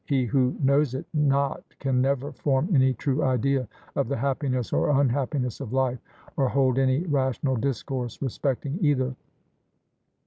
he who knows it not can never form any true idea of the happiness or unhappiness of life or hold any rational discourse respecting either.